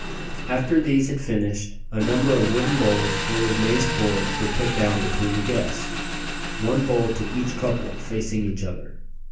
After these had finished, a number of wooden bowls full of maize porridge were put down between the guests one bowl to each couple facing each other.